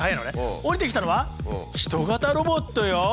降りてきたのは人型ロボットよ！